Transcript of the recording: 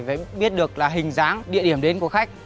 phải biết được là hình dáng địa điểm đến của khách